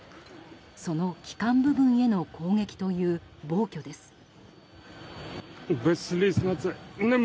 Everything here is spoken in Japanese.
その基幹部分への攻撃という暴挙です。